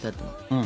うん。